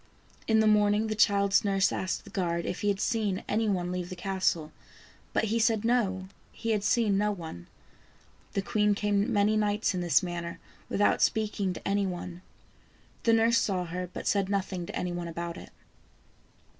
In the morning the child's nurse asked the guard if he had seen any one leave the castle, but he said no, he had seen no one. The queen came many nights in this manner without speaking to any one. The nurse saw her, but said nothing to any one about it.